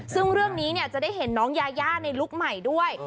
ซึ่งเรื่องนี้จะได้เห็นน้องยายาในลุคใหม่ด้วย